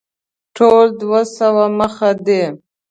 ټول دوه سوه مخه دی.